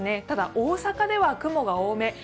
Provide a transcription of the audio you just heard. ただ大阪では雲が多め。